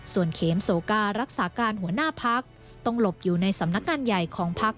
ส่วนเขมโสการักษาการหัวหน้าพักต้องหลบอยู่ในสำนักงานใหญ่ของพัก